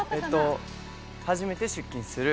初めて出勤する２人。